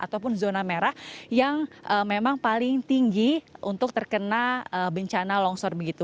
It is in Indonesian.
ataupun zona merah yang memang paling tinggi untuk terkena bencana longsor begitu